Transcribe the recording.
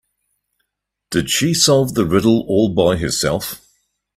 Did she solve the riddle all by herself?